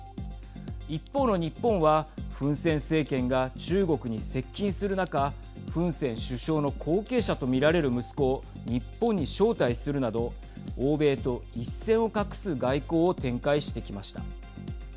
一方の日本はフン・セン政権が中国に接近する中フン・セン首相の後継者と見られる息子を日本に招待するなど欧米と一線を画す外交を展開してきました。